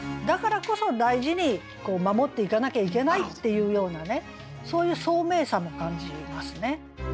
だからこそ大事に守っていかなきゃいけないっていうようなねそういう聡明さも感じますね。